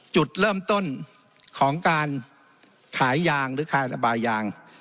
จุดเริ่มต้นของการขายยางหรือคลายระบายยาง